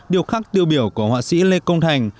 điều khác tiêu biểu của họa sĩ lê công thành